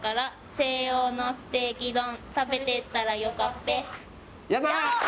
「西欧のステーキ丼食べてったらよかっぺ！」